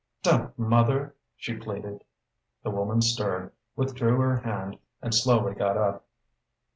"Don't, mother!" she pleaded. The woman stirred, withdrew her hand, and slowly got up.